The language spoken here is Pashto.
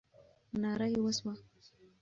ناره یې وسوه.